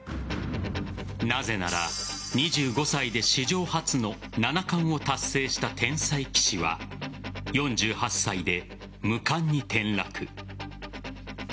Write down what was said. なぜなら２５歳で史上初の七冠を達成した天才棋士は４８歳で無冠に転落。